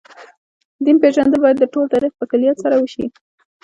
دین پېژندل باید د ټول تاریخ په کُلیت سره وشي.